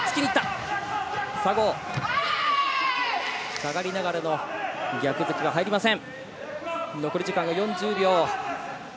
下がりながらの逆突きが入りません。